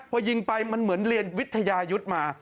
พอยิงไปมันเหมือนเรียนวิทยายุทธ์มา